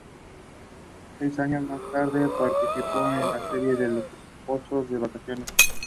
The series tied in with the Ghost Festival (Yulan) in July.